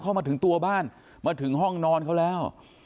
มาถึงตัวบ้านมาถึงห้องนอนเขาแล้ว